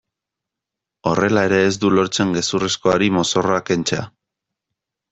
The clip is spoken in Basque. Horrela ere ez du lortzen gezurrezkoari mozorroa kentzea.